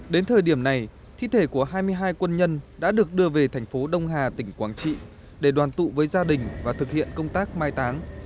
đến thời điểm này thi thể của hai mươi hai quân nhân đã được đưa về thành phố đông hà tỉnh quảng trị để đoàn tụ với gia đình và thực hiện công tác mai tán